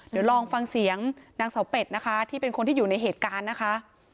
เดี๋ยวลองฟังเสียงนางเสาเป็ดนะคะที่เป็นคนที่อยู่ในเหตุการณ์นะคะ